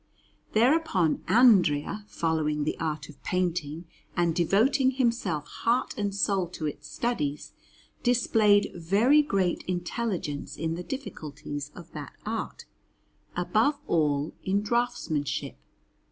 Apollonia_) Alinari] Thereupon Andrea, following the art of painting and devoting himself heart and soul to its studies, displayed very great intelligence in the difficulties of that art, above all in draughtsmanship.